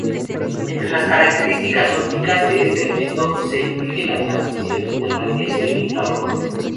Entre las características ópticas de este elemento, se incluye la transmisión de radiación infrarroja.